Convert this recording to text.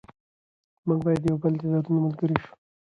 موږ باید د یو بل د دردونو ملګري شو.